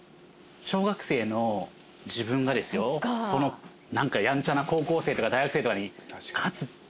小学生の自分がですよ何かやんちゃな高校生とか大学生とかに勝つ。